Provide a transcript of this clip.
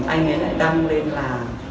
anh ấy lại đâm lên là